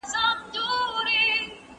د پوهنتون او مدرسې واټن بايد ختم سي.